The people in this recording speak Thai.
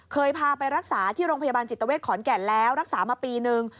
เคยพาไปรักษาที่โรงพยาบาลจิตเวทขอนแก่นแล้วรักษามาปีนึง